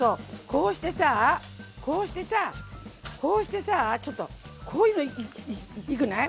こうしてさこうしてさこうしてさちょっとこういうのいくない？